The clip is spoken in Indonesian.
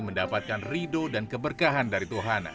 mendapatkan rido dan keberkahan dari tuhan